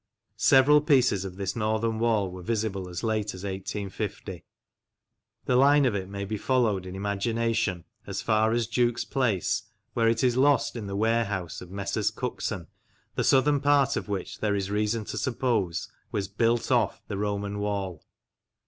Several pieces of this northern wall were visible as late as 1850. The line of it may be followed in imagination as far as Duke Place, where it is lost THE ROMANS IN LANCASHIRE 41 in the warehouse of Messrs. Cookson, the southern part of which, there is reason to suppose, was " built off " the Roman wall.